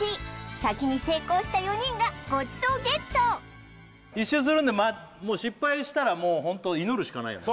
先に成功した４人がごちそうＧＥＴ１周するんでもう失敗したらもうホント祈るしかないよね